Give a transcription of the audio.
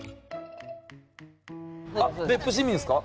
別府市民ですか？